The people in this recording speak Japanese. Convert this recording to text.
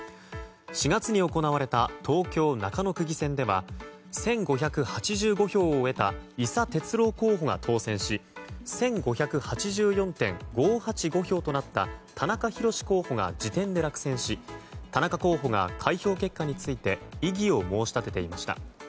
４月に行われた東京・中野区議選では１５８５票を得たいさ哲郎候補が当選し１５８４．５８５票となった田中ヒロシ候補が次点で落選し田中候補が開票結果について異議を申し立てていました。